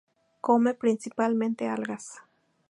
Come principalmente algas.